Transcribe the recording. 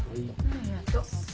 ありがとう。